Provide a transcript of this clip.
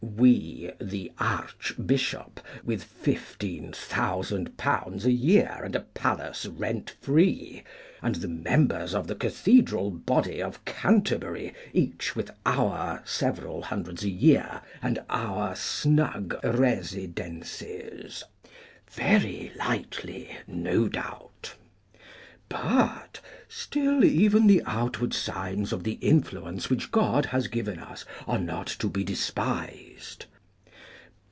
we, the archbishop with £15,000 a year and a palace rent free, and the members of the Cathedral body of Canterbury each with our several hundreds a year and our snug residences! Very lightly, no doubt! But "still even the outward signs of the influence which God has given us are not to be despised."